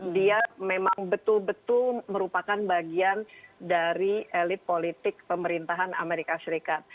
dia memang betul betul merupakan bagian dari elit politik pemerintahan amerika serikat